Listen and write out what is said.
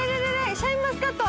シャインマスカットは？